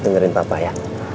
dengerin papa ya